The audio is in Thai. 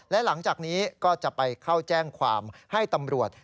และหลังจากนี้ก็จะไปเข้าแจ้งความให้ตำรวจ